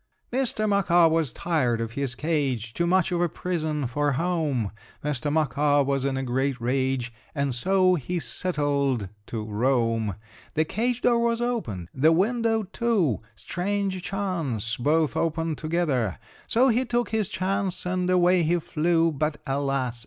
'Mr. Macaw was tired of his cage Too much of a prison for home; Mr. Macaw was in a great rage, And so he settled to roam. The cage door was open, the window too (Strange chance, both open together!), So he took his chance and away he flew; But, alas!